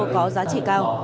có giá trị cao